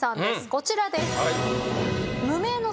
こちらです。